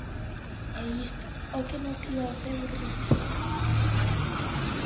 ¿É isto o que motiva o seu riso?